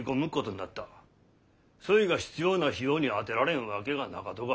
そいが必要な費用に充てられんわけがなかどが。